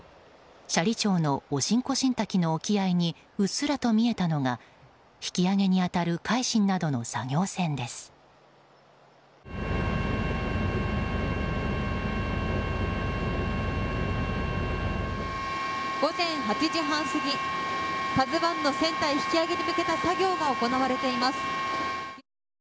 斜里町のオシンコシンの滝の沖合に、うっすらと見えたのが引き揚げに当たる午前８時半過ぎ「ＫＡＺＵ１」の船体引き揚げに向けた作業が行われています。